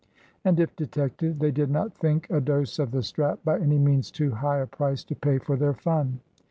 And, if detected, they did not think a dose of the strap by any means too high a price to pay for their fun.